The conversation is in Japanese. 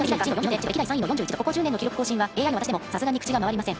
ここ１０年の記録更新はＡＩの私でもさすがに口が回りません。